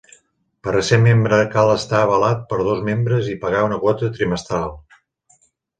Per a ser membre cal estar avalat per dos membres i pagar una quota trimestral.